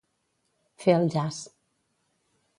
Fer el jaç.